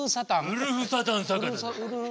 ウルフサタン坂田。